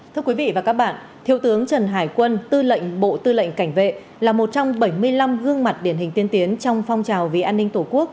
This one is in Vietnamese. thưa quý vị và các bạn thiếu tướng trần hải quân tư lệnh bộ tư lệnh cảnh vệ là một trong những phong trào thi đua yêu nước